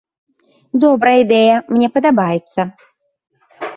Добрая ідэя, мне падабаецца.